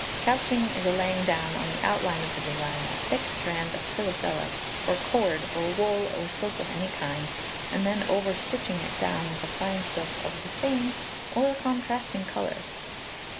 Couching is a laying down on the outline of the design, a thick strand of filoselle, or cord or wool or silk of any kind, and then over stitching it down with a fine silk of the same, or a contrasting colour.